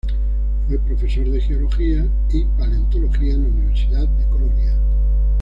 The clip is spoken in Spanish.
Fue profesor de geología y paleontología en la Universidad de Colonia.